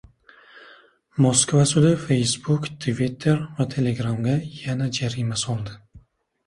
Moskva sudi Facebook, Twitter va Telegramga yana jarima soldi